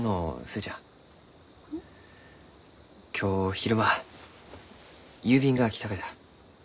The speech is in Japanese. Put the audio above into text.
今日昼間郵便が来たがじゃ。